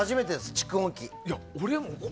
蓄音機。